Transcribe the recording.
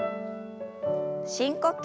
深呼吸。